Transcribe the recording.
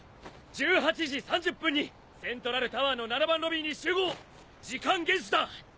１８時３０分にセントラルタワーの７番ロビーに集合時間厳守だ！